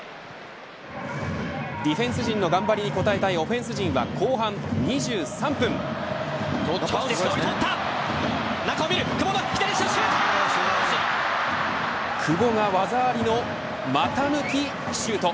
ディフェンス陣の頑張りに応えたいオフェンス陣は中を見る久保だ久保が技ありの股抜きシュート。